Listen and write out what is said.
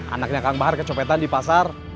anaknya kang bahar kecopetan di pasar